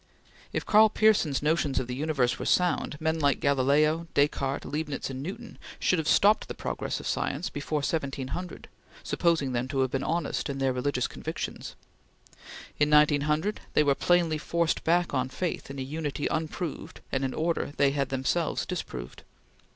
If Karl Pearson's notions of the universe were sound, men like Galileo, Descartes, Leibnitz, and Newton should have stopped the progress of science before 1700, supposing them to have been honest in the religious convictions they expressed. In 1900 they were plainly forced back; on faith in a unity unproved and an order they had themselves disproved.